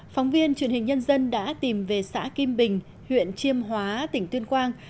phóng viên truyền hình nhân dân đã tìm về xã kim bình huyện chiêm hóa tỉnh tuyên quang